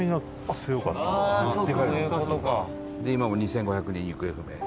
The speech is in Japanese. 今も２５００人、行方不明。